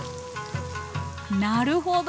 なるほど！